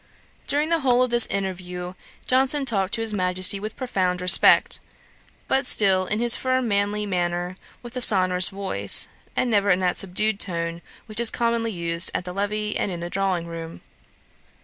During the whole of this interview, Johnson talked to his Majesty with profound respect, but still in his firm manly manner, with a sonorous voice, and never in that subdued tone which is commonly used at the levee and in the drawing room.